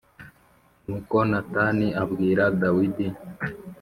Nuko Natani abwira Dawidi